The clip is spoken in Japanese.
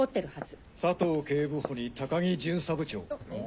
佐藤警部補に高木巡査部長。